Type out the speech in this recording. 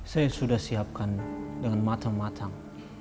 saya sudah siapkan dengan matang matang